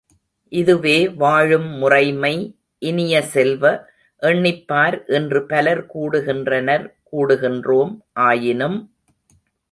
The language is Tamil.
இதுவே வாழும் முறைமை, இனிய செல்வ, எண்ணிப்பார் இன்று பலர் கூடுகின்றனர் கூடுகின்றோம் ஆயினும்.